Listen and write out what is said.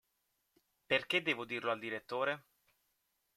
Perché devo dirlo al Direttore?